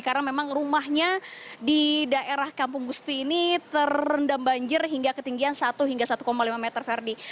karena memang rumahnya di daerah kampung gusti ini terendam banjir hingga ketinggian satu hingga satu lima meter ferdie